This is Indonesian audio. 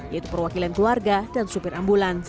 yaitu perwakilan keluarga dan supir ambulans